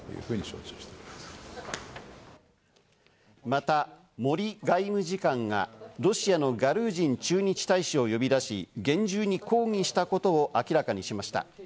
また、森外務次官がロシアのガルージン駐日大使を呼び出し、厳重に抗議したことを明らかにしました。